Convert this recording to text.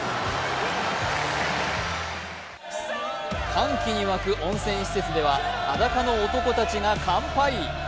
歓喜に沸く温泉施設では裸の男たちが乾杯。